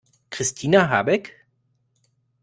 Christina Habeck?